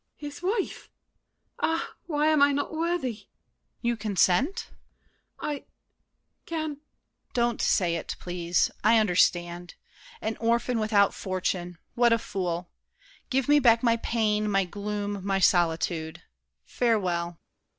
His wife! Ah, why am I not worthy? DIDIER. You consent? MARION. I—can— DIDIER. Don't say it, please—I understand! An orphan, without fortune! What a fool! Give back my pain, my gloom, my solitude! Farewell!